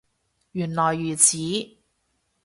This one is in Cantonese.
原來如此